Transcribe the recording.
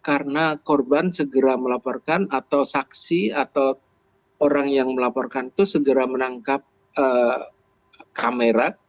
karena korban segera melaporkan atau saksi atau orang yang melaporkan itu segera menangkap kamera